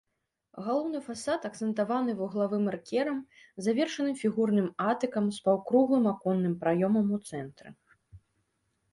Галоўны фасад акцэнтаваны вуглавым эркерам, завершаным фігурным атыкам з паўкруглым аконным праёмам у цэнтры.